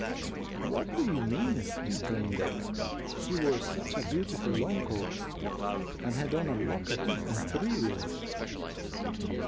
"What do you mean?" exclaimed Ellie. "He wore such a beautiful long coat, and had on a locket and three rings."